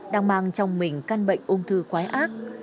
đang mang trong mình căn bệnh ung thư quái ác